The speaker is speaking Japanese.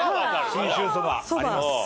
信州そばあります。